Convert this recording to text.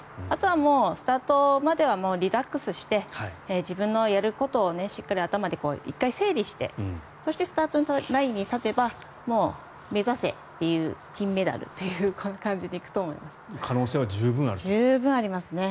あとはもう、スタートまではリラックスして自分のやることをしっかり頭で一回整理してそしてスタートラインに立てばもう目指せ金メダルという感じで行くと思います。